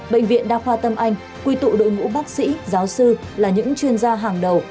bệnh viện đa khoa tâm anh quy tụ đội ngũ bác sĩ giáo sư là những chuyên gia hàng đầu